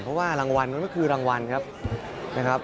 เพราะว่ารางวัลมันก็คือรางวัลครับนะครับ